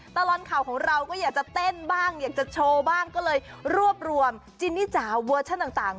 ตลอดข่าวของเราก็อยากจะเต้นบ้างอยากจะโชว์บ้างก็เลยรวบรวมจินนี่จ๋าเวอร์ชั่นต่าง